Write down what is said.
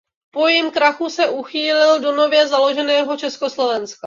Po jejím krachu se uchýlil do nově založeného Československa.